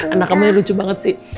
anak kamu lucu banget sih